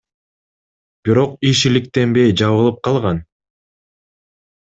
Бирок иш иликтенбей, жабылып калган.